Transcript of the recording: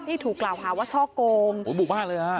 ที่ถูกกล่าวว่าช่อกงบุกบ้านเลยนะคะ